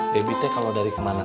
debbie teh kalau dari kemana mana